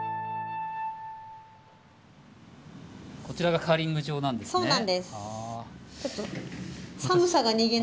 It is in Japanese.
こちらがカーリング場なんですね。